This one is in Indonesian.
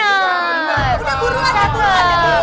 udah buruan udah buruan